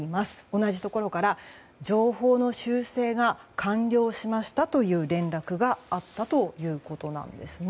同じところから情報の修正が完了しましたという連絡があったということなんですね。